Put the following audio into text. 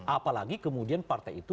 apalagi kemudian partai itu